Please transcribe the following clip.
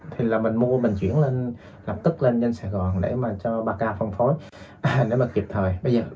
thì là mình mua mình chuyển lập tức lên sài gòn để mà cho bà ca phân phối để mà kịp thời